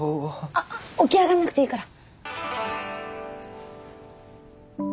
あっ起き上がんなくていいから。